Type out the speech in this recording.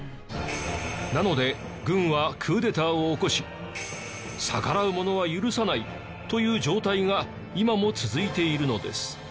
なので軍はクーデターを起こし逆らう者は許さないという状態が今も続いているのです。